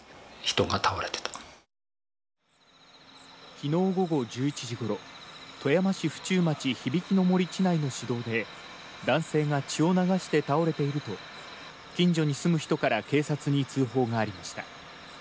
昨日午後１１時ごろ富山市婦中町響の杜地内の市道で男性が血を流して倒れていると近所に住む人から警察に通報がありました。